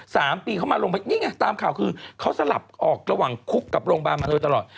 สามปีเขามาโรงพยาบาลนี่ไงตามข่าวคือเขาสลับออกระหว่างคุกกับโรงพยาบาลมาโดยตลอด